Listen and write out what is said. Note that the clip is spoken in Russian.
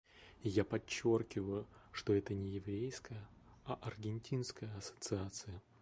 Я подчеркиваю, что это не еврейская, а аргентинская ассоциация.